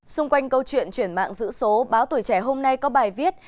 xung quanh câu chuyện chuyển mạng giữ số báo tuổi trẻ hôm nay có bài viết